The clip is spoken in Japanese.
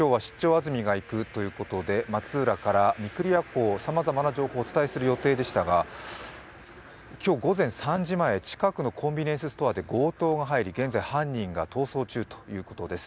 安住がいく」ということで松浦から御厨港、さまざまな情報をお伝えする予定でしたが、今日午前３時前、近くのコンビニエンスストアに強盗が入り現在犯人が逃走中ということです。